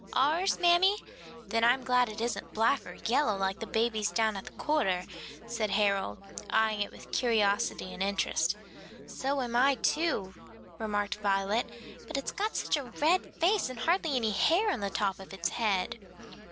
"Ours, mammy? Then I'm glad it isn't black or yellow like the babies down at the quarter," said Harold, eying it with curiosity and interest. "So am I too," remarked Violet, "but it's got such a red face and hardly any hair on the top of its head."